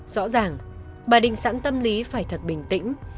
rõ ràng bà đình sẵn tâm lý phải thật bình tĩnh